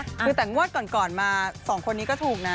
คือแต่งวดก่อนมา๒คนนี้ก็ถูกนะ